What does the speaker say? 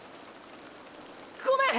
ごめん！！